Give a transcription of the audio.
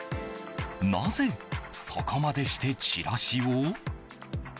なぜそこまでしてチラシを？